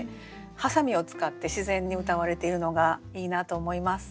「ハサミ」を使って自然にうたわれているのがいいなと思います。